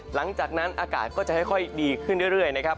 หลังจากนั้นอากาศก็จะค่อยดีขึ้นเรื่อยนะครับ